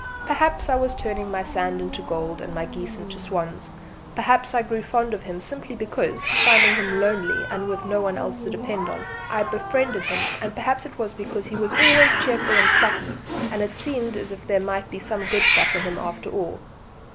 Perhaps I was turning my sand into gold, and my geese into swans; perhaps I grew fond of him simply because, finding him lonely and with no one else to depend on, I befriended him; and perhaps it was because he was always cheerful and plucky and it seemed as if there might be some good stuff in him after all.